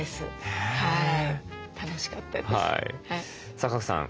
さあ賀来さん